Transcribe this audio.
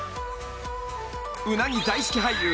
うなぎ大好き俳優